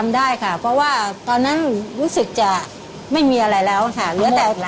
จำได้ค่ะเพราะว่าตอนนั้นรู้สึกจะไม่มีอะไรแล้วค่ะ